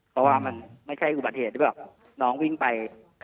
เพราะว่ามันไม่คิดว่าคืออุบัติเหตุล็กน้องวิ่งไป